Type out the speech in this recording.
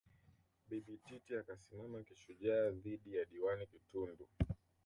Bibi Titi akasimama kishujaa dhidi ya Diwani Kitundu